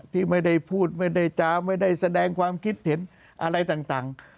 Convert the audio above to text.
ที่ไม่ได้พูดไม่ได้จาไม่ได้แสดงความคิดเห็นอะไรต่าง